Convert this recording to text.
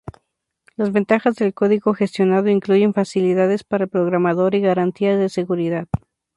Las ventajas del código gestionado incluyen facilidades para el programador y garantías de seguridad.